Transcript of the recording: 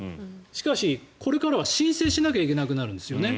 しかし、これからは申請しなきゃいけなくなるんですよね。